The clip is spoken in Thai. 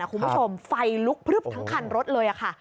คุณผู้ชมไฟลุกพลึบทั้งคันรถเลยค่ะ